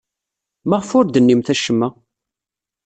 Maɣef ur d-tennimt acemma?